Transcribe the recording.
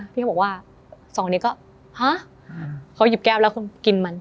พี่เขาบอกว่าสองนี้ก็ฮะเขาหยิบแก้วแล้วคุณกินมัน